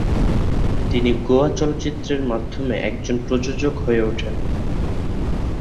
তিনি গোয়া চলচ্চিত্রের মাধ্যমে একজন প্রযোজক হয়ে ওঠেন।